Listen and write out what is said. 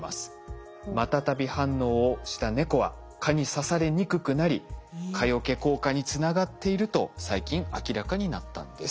マタタビ反応をした猫は蚊に刺されにくくなり蚊よけ効果につながっていると最近明らかになったんです。